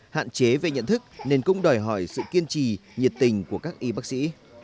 hạn chế về nhận thức nên cũng đòi hỏi sự kiên trì nhiệt tình của các y bác sĩ